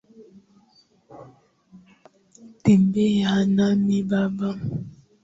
Tembea nami baba.